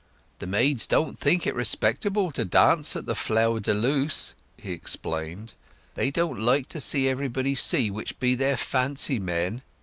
"The maids don't think it respectable to dance at The Flower de Luce," he explained. "They don't like to let everybody see which be their fancy men.